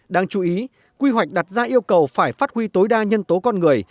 đáng chú ý quy hoạch đặt ra yêu cầu phải phát huy tối đa nhân tố con người